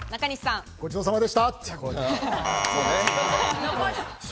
ごちそうさまでした。